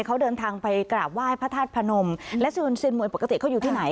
เขาเดินทางไปกราบไหว้พระธาตุพนมและเซียนเซียนมวยปกติเขาอยู่ที่ไหน